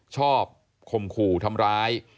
คมขู่ทำร้าย